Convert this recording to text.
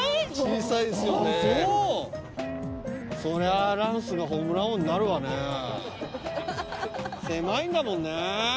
そりゃランスがホームラン王になるわね狭いんだもんね